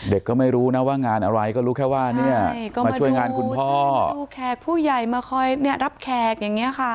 ก็ไม่รู้นะว่างานอะไรก็รู้แค่ว่าเนี่ยมาช่วยงานคุณพ่อดูแขกผู้ใหญ่มาคอยเนี่ยรับแขกอย่างนี้ค่ะ